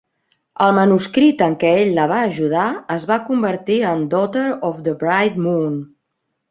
El manuscrit en què ell la va ajudar es va convertir en "Daughter of the Bright Moon".